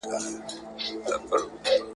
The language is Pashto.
هلمند تل د هېواد د دفاع په لومړۍ کرښه کي وي.